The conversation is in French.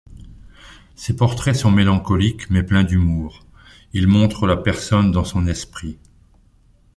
Ses portraits sont mélancoliques mais pleins d'humour, ils montrent la personne dans son esprit.